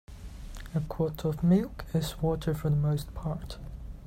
A quart of milk is water for the most part.